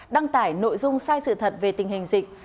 đăng tải nội dung sai sự thật về tình hình dịch